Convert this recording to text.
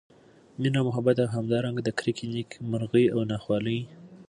مېنه او محبت او همدا رنګه د کرکي، نیک مرغۍ او نا خوالۍ